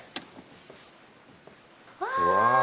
うわ！